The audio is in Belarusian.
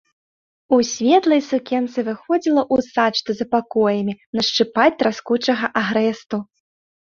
У светлай сукенцы выходзіла ў сад, што за пакоямі, нашчыпаць траскучага агрэсту.